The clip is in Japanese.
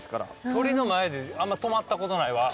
鳥の前であんま止まったことないわ足。